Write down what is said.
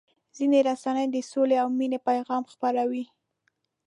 ځینې رسنۍ د سولې او مینې پیغام خپروي.